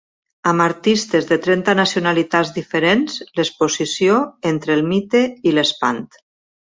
Amb artistes de trenta nacionalitats diferents, l’exposició Entre el mite i l’espant.